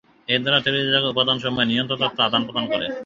এর দ্বারা টেলিযোগাযোগ উপাদান সমুহের নিয়ন্ত্রক তথ্য আদান প্রদান করে।